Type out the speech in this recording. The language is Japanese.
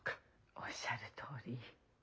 おっしゃるとおり。